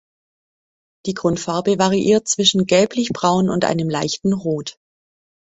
Die Grundfarbe variiert zwischen gelblichbraun und einem leichten Rot.